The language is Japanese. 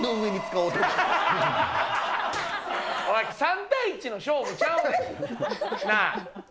おい、３対１の勝負ちゃうねん。なぁ。